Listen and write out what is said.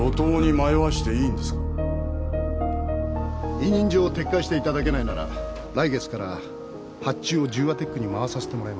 委任状を撤回していただけないなら来月から発注を十和テックに回させてもらいます。